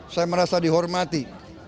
saya merasa dihormati